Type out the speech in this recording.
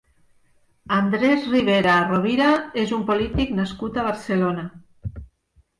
Andrés Ribera Rovira és un polític nascut a Barcelona.